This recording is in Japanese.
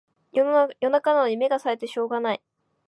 夜中なのに目がさえてしょうがない